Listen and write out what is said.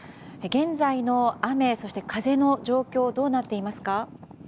現在の雨、そして風の状況はどうなっていますか。